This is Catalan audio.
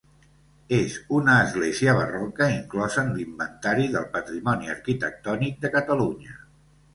És una església barroca inclosa en l'Inventari del Patrimoni Arquitectònic de Catalunya.